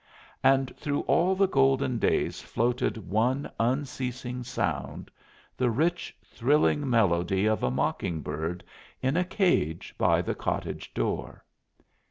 And through all the golden days floated one unceasing sound the rich, thrilling melody of a mocking bird in a cage by the cottage door.